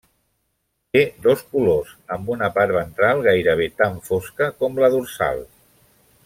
Té dos colors, amb una part ventral gairebé tan fosca com la dorsal.